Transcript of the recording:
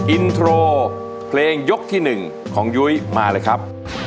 อินโทรเพลงยกที่๑ของยุ้ยมาเลยครับ